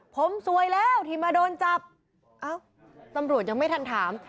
ผมซวยแล้วที่มาโดนจับเอ้าตำรวจยังไม่ทันถาม